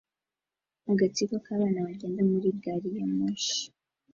Agatsiko k'abana bagenda muri gari ya moshi